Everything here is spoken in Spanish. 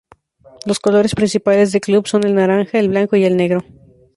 Los colores principales del club son el naranja, el blanco y el negro.